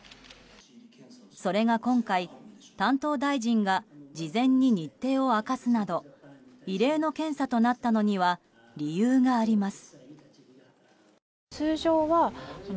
それが今回、担当大臣が事前に日程を明かすなど異例の検査となったのには理由があります。